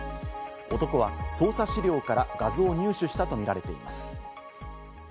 男は捜査資料から画像を入手したとみられています。